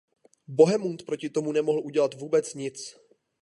Bohemund proti tomu nemohl udělat vůbec nic.